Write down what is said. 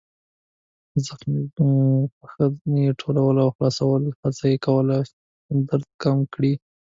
زخمي پښه يې ټولول او خلاصول، هڅه یې کوله چې درد کم کړي.